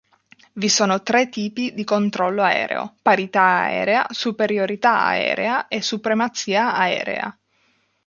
Vi sono tre tipi di controllo aereo: parità aerea, superiorità aerea e supremazia aerea.